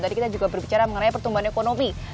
tadi kita juga berbicara mengenai pertumbuhan ekonomi